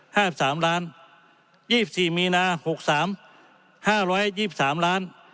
ห้าสิบสามล้านยี่สิบสี่มีนาหกสามห้าร้อยยี่สิบสามล้าน